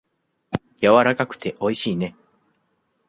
やわらかくておいしいね。